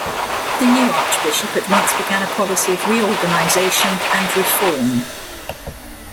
The new archbishop at once began a policy of reorganisation and reform.